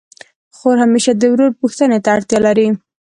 خور همېشه د ورور پوښتني ته اړتیا لري.